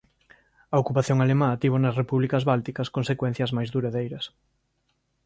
A ocupación alemá tivo nas Repúblicas Bálticas consecuencias máis duradeiras.